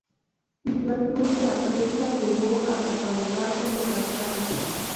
Situación que la prensa llegó a catalogar como fracaso.